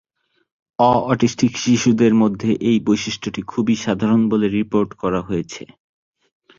অ-অটিস্টিক শিশুদের মধ্যে এই বৈশিষ্ট্যটি খুবই সাধারণ বলে রিপোর্ট করা হয়েছে।